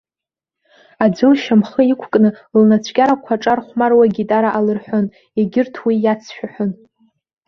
Аӡәы лшьамхы иқәкны, лнацәкьарақәа аҿархәмаруа агитара алырҳәон, егьырҭ уи иацшәаҳәон.